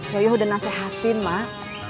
yoyo udah nasehatin mak